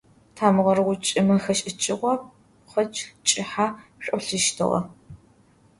Тамыгъэр гъучӏым хэшӏыкӏыгъэу пхъэкӏ кӏыхьэ шӏолъыщтыгъэ.